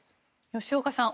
吉岡さん